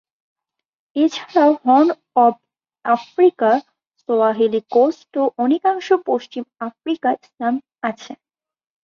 এছাড়াও Horn of Africa, Swahili coast ও অনেকাংশ পশ্চিম আফ্রিকা ইসলাম আছে।